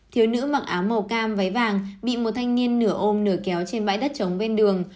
thiếu nữ mặc áo màu cam váy vàng bị một thanh niên nửa ôm nửa kéo trên bãi đất trống bên đường